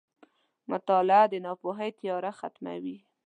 • مطالعه د ناپوهۍ تیاره ختموي.